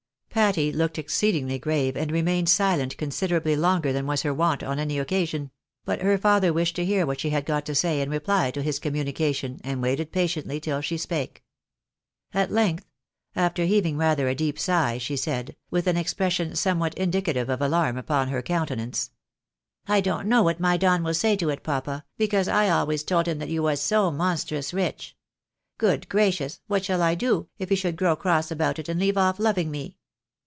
Patty looked exceedingly grave, and remained silent consider ably longer than was her wont on any occasion ; but her father wished to hear what she had got to say in reply to his communica tion, and waited patiently till she spake. At length, after heaving rather a deep sigh, she said, with an expression somewhat indicative of alarm upon her countenance —" I don't know what my Don will say to it, papa, because I always told him that you was so monstrous rich. Good gracious, what shall I do, if he should grow cross about it and leave off loving me